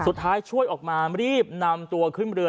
สุดท้ายช่วยออกมารีบนำตัวขึ้นเรือ